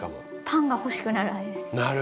パンが欲しくならないですか。